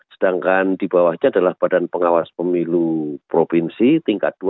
sedangkan di bawahnya adalah badan pengawas pemilu provinsi tingkat dua